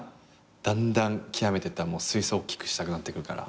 だんだん極めてったら水槽おっきくしたくなってくるから。